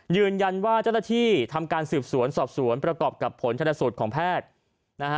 ยืนยันว่าเจ้าหน้าที่ทำการสืบสวนสอบสวนประกอบกับผลชนสูตรของแพทย์นะฮะ